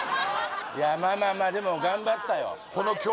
いやまあまあまあでも頑張ったよ